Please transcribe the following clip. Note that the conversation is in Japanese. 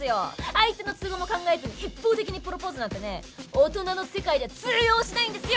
相手の都合も考えずに一方的にプロポーズなんてね大人の世界では通用しないんですよ